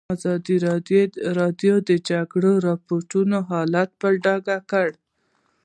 ازادي راډیو د د جګړې راپورونه حالت په ډاګه کړی.